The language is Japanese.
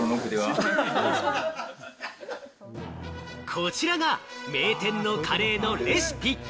こちらが名店のカレーのレシピ。